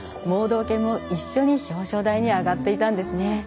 盲導犬も一緒に表彰台に上がっていたんです。